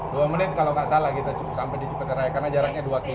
dua menit kalau tidak salah kita sampai di cipeteraya karena jaraknya dua km